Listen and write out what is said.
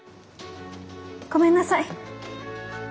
ごめんなさい。